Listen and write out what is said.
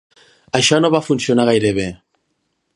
Això no va funcionar gaire bé.